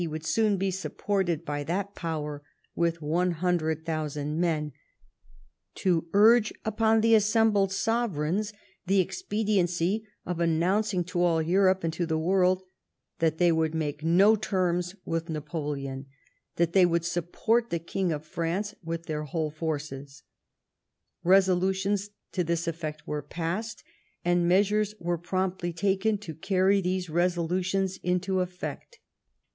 ld soon be supported by that power with 100,000 men, to urge upon the assembled sovereigns the expediency of announcing to all Europe and to the world that they would make no terms with Napoleon ; that they w ould support the King of France with their whole forces. Resolutions to this effect were passed, and measures were promptly taken to carry those resolutions into effect.